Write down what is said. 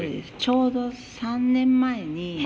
ちょうど３年前に。